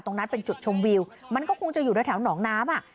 ตรงนั้นเป็นจุดชมวิวมันก็คงจะอยู่ในแถวหนองน้ำอ่ะ